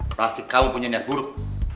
pasti kamu punya niat buruk